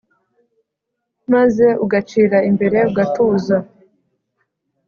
maze ugacira imbere ugatuza